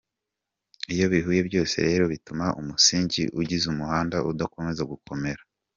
Iyo bihuye byose rero bituma umusingi ugize umuhanda udakomeza gukomera.